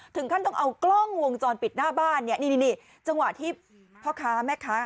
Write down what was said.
ถึงขั้นต้องเอากล้องวงจรปิดหน้าบ้านเนี่ยนี่จังหวะที่พ่อค้าแม่ค้า